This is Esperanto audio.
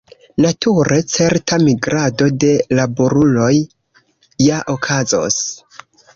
Nature, certa migrado de laboruloj ja okazos.